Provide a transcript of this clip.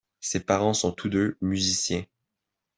Ses parents sont tous deux musiciens.